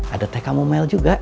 ada teh kamu mel juga